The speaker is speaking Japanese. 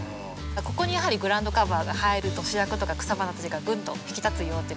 ここにやはりグラウンドカバーが入ると主役とか草花たちがぐんと引き立つよという形で。